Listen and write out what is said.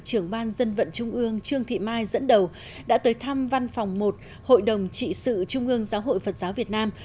trưởng ban dân vận trung ương trương thị mai dẫn đầu đã tới thăm văn phòng một hội đồng trị sự trung ương giáo hội phật giáo việt nam